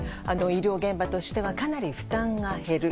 医療現場としてはかなり負担が減る。